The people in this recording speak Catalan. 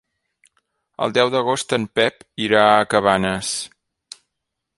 El deu d'agost en Pep irà a Cabanes.